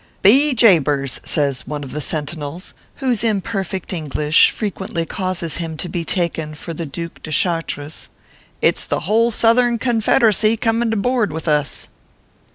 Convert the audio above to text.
" Be jabers !" says one of the sentinels, whose im perfect English frequently causes him to be taken for the Due de Chartres, " it s the whole Southern Con federacy coming to boord with us."